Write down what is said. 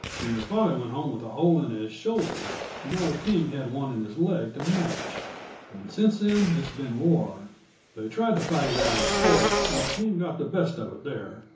Your father went home with a hole in his shoulder, and old King had one in his leg to match, and since then it's been war. They tried to fight it out in court, and King got the best of it there.